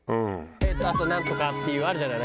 あとナントカっていうあるじゃない？